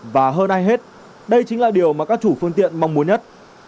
và hơn ai hết đây chính là điều mà các chủ phương tiện mong muốn nhất